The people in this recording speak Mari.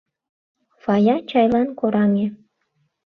Фая чайлан кораҥе.